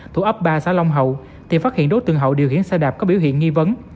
thuộc ấp ba xã long hậu thì phát hiện đối tượng hậu điều khiển xe đạp có biểu hiện nghi vấn